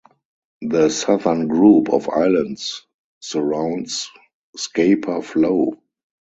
The southern group of islands surrounds Scapa Flow.